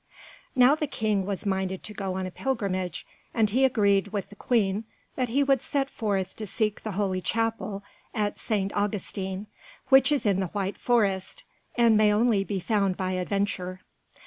Now the King was minded to go on a pilgrimage, and he agreed with the Queen that he would set forth to seek the holy chapel at St. Augustine, which is in the White Forest, and may only be found by adventure.